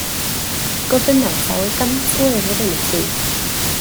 Gofynnais a oedd ganddynt lyfr yn y tŷ.